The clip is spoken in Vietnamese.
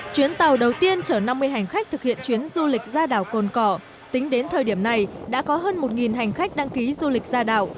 chuyến tàu đầu tiên chở năm mươi hành khách thực hiện chuyến du lịch ra đảo cồn cỏ tính đến thời điểm này đã có hơn một hành khách đăng ký du lịch ra đảo